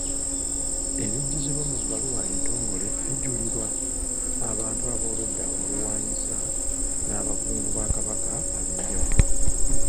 Ebijjuzibwa mu bbaluwa entongole bijulirwa abantu b’oludda oluwaanyisa n'abakungu ba Kabaka ab'enjawulo.